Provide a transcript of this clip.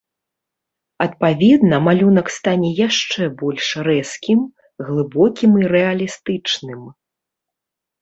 Адпаведна, малюнак стане яшчэ больш рэзкім, глыбокім і рэалістычным.